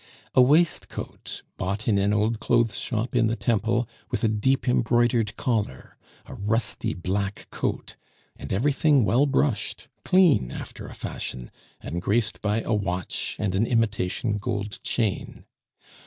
A waistcoat, bought in an old clothes shop in the Temple, with a deep embroidered collar! A rusty black coat! and everything well brushed, clean after a fashion, and graced by a watch and an imitation gold chain.